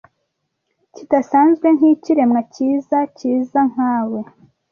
kidasanzwe nk'ikiremwa cyiza cyiza nka we